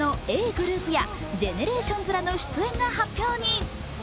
ｇｒｏｕｐやＧＥＮＥＲＡＴＩＯＮＳらの出演が発表に。